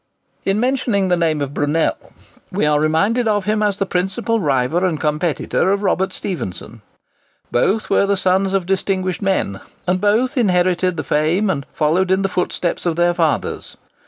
In mentioning the name of Brunel, we are reminded of him as the principal rival and competitor of Robert Stephenson. Both were the sons of distinguished men, and both inherited the fame and followed in the footsteps of their fathers.